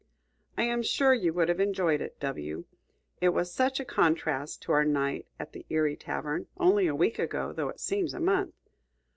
I am sure you would have enjoyed it, W , it was such a contrast to our night at the Erie tavern, only a week ago, though it seems a month.